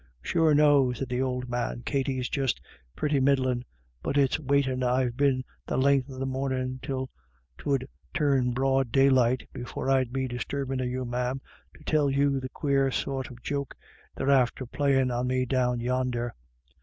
" Sure no," said the old man ;" Katty's just pretty middlin*. But it's waitin' I've been the len'th of the mornin', till 'twould turn broad day light, before I'd be disturbin' of you, ma'am, to tell you the quare sort of joke they're after playin' on me down yonder."